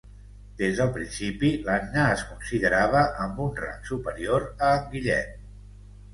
Des del principi, l'Anna es considerava amb un rang superior a en Guillem.